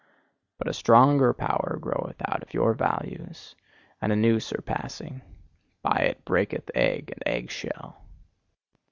But a stronger power groweth out of your values, and a new surpassing: by it breaketh egg and egg shell.